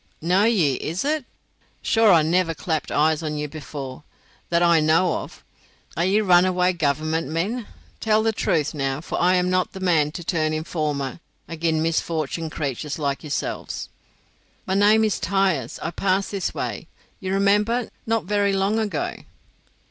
"Know ye, is it? Sure I never clapped eyes on ye before, that I know of. Are ye runaway Government men? Tell the truth, now, for I am not the man to turn informer agin misfortunate craythurs like yourselves." "My name is Tyers. I passed this way, you may remember, not very long ago."